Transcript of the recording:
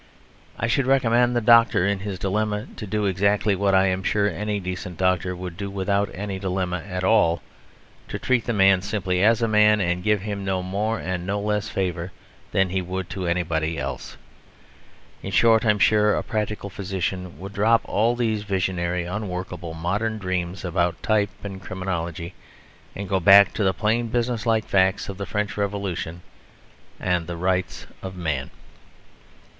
I should recommend the doctor in his dilemma to do exactly what I am sure any decent doctor would do without any dilemma at all: to treat the man simply as a man, and give him no more and no less favour than he would to anybody else. In short, I am sure a practical physician would drop all these visionary, unworkable modern dreams about type and criminology and go back to the plain business like facts of the French Revolution and the Rights of Man.